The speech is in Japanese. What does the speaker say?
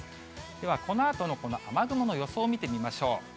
ではこのあとの雨雲の予想見てみましょう。